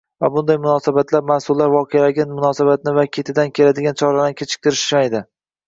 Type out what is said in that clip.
va bunday davlatlarda mas’ullar voqealarga munosabatni va ketidan keladigan choralarni kechiktirishmaydi.